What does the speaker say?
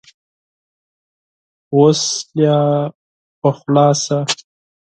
اوس لا پخلا شه !